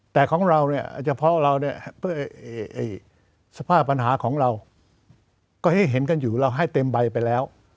แต่ของเราเนี่ยเฉพาะเราเนี่ยเพื่อสภาพปัญหาของเราก็ให้เห็นกันอยู่เราให้เต็มใบไปแล้ว